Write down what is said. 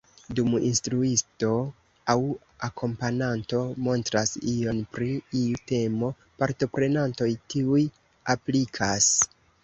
Dum instruisto aŭ akompananto montras ion pri iu temo, partoprenantoj tuj aplikas.